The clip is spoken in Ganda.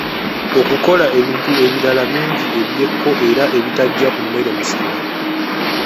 Okukola ebintu ebirala bingi eby'ekko era ebitajja ku mmere misana.